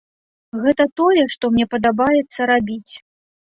Гэта тое, што мне падабаецца рабіць.